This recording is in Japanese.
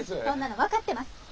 そんなの分かってます。